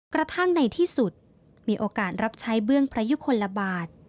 กระทั่งในที่สุดมีโอกาสรับใช้เบื้องพระยุคลบาท